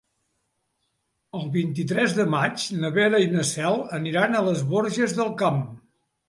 El vint-i-tres de maig na Vera i na Cel aniran a les Borges del Camp.